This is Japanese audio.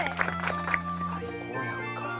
最高やんか。